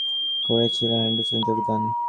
তিনি গর্ডন হাইল্যান্ডার্সে যোগদান করেছিলেন।